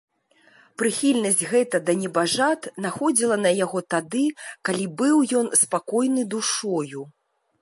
Прыхільнасць гэта да небажат находзіла на яго тады, калі быў ён спакойны душою.